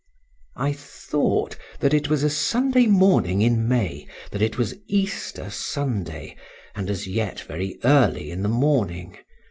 I thought that it was a Sunday morning in May, that it was Easter Sunday, and as yet very early in the morning.